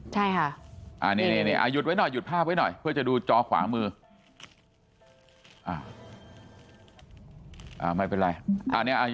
ใช่ค่ะนี่หยุดไว้หน่อยหยุดภาพไว้หน่อยเพื่อจะดูจอขวามือ